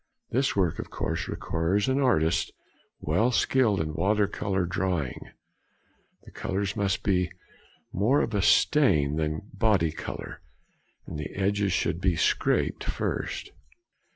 This work of course requires an artist well skilled in water colour drawing. The colours used must be more of a stain than body colour, and the edges should be scraped first.